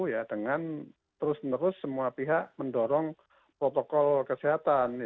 ya dengan terus menerus semua pihak mendorong protokol kesehatan